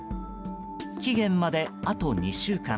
期限まであと２週間。